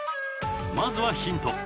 まずはヒント。